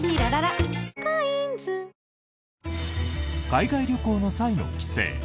海外旅行の際の規制。